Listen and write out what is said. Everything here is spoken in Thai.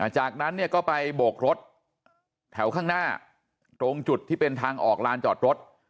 จากนั้นเนี่ยก็ไปโบกรถแถวข้างหน้าตรงจุดที่เป็นทางออกลานจอดรถ